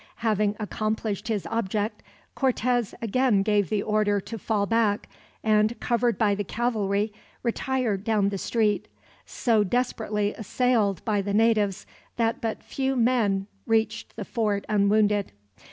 Having accomplished his object, Cortez again gave the order to fall back and, covered by the cavalry, retired down the street; so desperately assailed, by the natives, that but few men reached the fort unwounded.